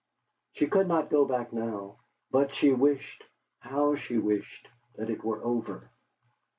She could not go back now; but she wished how she wished! that it were over.